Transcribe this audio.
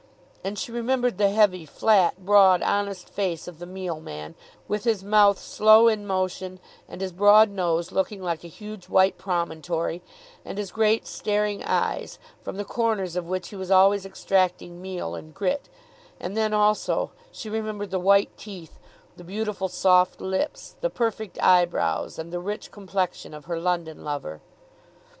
And she remembered the heavy, flat, broad honest face of the meal man, with his mouth slow in motion, and his broad nose looking like a huge white promontory, and his great staring eyes, from the corners of which he was always extracting meal and grit; and then also she remembered the white teeth, the beautiful soft lips, the perfect eyebrows, and the rich complexion of her London lover.